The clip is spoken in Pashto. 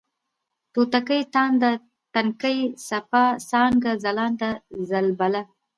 توتکۍ ، تانده ، تنکۍ ، څپه ، څانگه ، ځلانده ، ځلبله